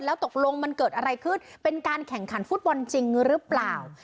แล้วตกลงมันเกิดอะไรขึ้นเป็นการแข่งขันฟุตบอลจริงหรือเปล่า